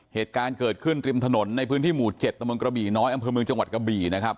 เหตุการณ์เกิดขึ้นริมถนนในพื้นที่หมู่๗ตะบนกระบี่น้อยอำเภอเมืองจังหวัดกระบี่นะครับ